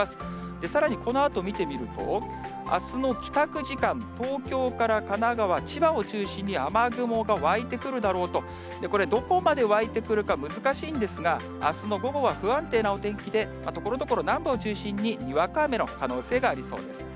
で、さらにこのあと見てみると、あすの帰宅時間、東京から神奈川、千葉を中心に、雨雲が湧いてくるだろうと、これ、どこまで湧いてくるか、難しいんですが、あすの午後は不安定なお天気で、ところどころ南部を中心ににわか雨の可能性がありそうです。